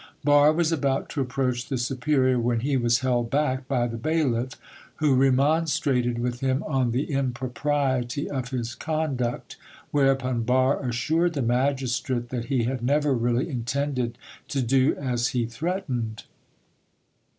Barre was about to approach the superior, when he was held back by the bailiff, who remonstrated with him on the impropriety of his conduct, whereupon Barre assured the magistrate that he had never really intended to do as he threatened.